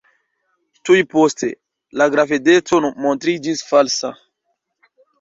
Tuj poste, la gravedeco montriĝis falsa.